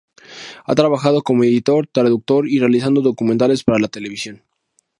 Ha trabajado como editor, traductor y realizando documentales para la televisión.